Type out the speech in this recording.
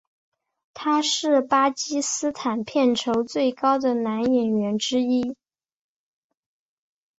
他是巴基斯坦片酬最高的男演员之一。